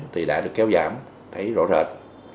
thì đã được kéo giảm thấy rõ rệt